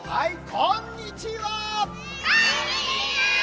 こんにちは。